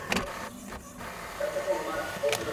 نجوني په ډېره لېوالتیا کتابونه لولي.